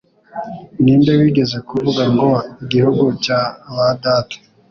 Ninde Wigeze Kuvuga ngo "Igihugu cya ba Data